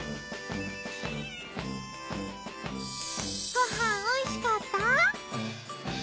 ごはんおいしかった？